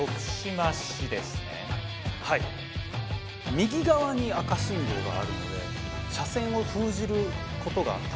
右側に赤信号があるので車線を封じることが多分。